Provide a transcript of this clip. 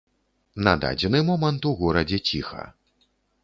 На дадзены момант у горадзе ціха.